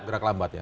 gerak lambat ya